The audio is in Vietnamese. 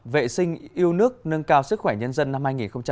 vệ sinh yêu nước nâng cao sức khỏe nhân dân năm hai nghìn hai mươi